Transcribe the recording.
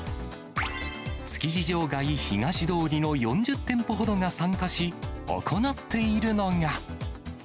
築地場外東通りの４０店舗ほどが参加し、行っているのが。